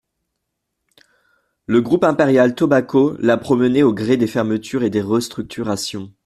Le groupe Imperial Tobacco l’a promené au gré des fermetures et des restructurations.